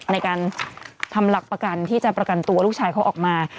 ในการทำหลักประกันที่จะประกันตัวลูกชายเขาออกมา